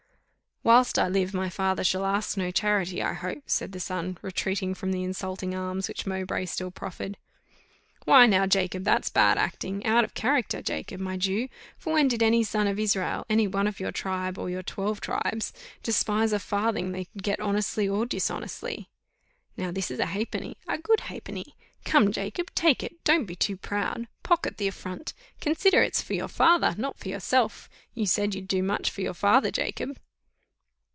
"Whilst I live, my father shall ask no charity, I hope," said the son, retreating from the insulting alms which Mowbray still proffered. "Why now, Jacob, that's bad acting, out o' character, Jacob, my Jew; for when did any son of Israel, any one of your tribe, or your twelve tribes, despise a farthing they could get honestly or dishonestly? Now this is a halfpenny a good halfpenny. Come, Jacob, take it don't be too proud pocket the affront consider it's for your father, not for yourself you said you'd do much for your father, Jacob."